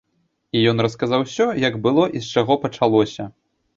І ён расказаў усё, як было і з чаго пачалося.